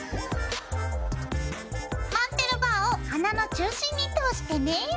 マンテルバーを花の中心に通してね。